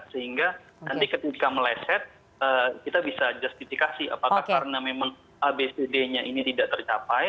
sehingga nanti ketika meleset kita bisa justifikasi apakah karena memang abcd nya ini tidak tercapai